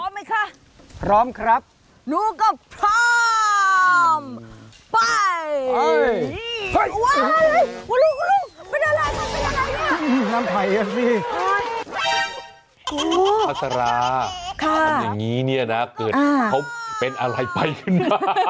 พัฒราทุนอย่างนี้หรือเป็นอะไรขึ้นมา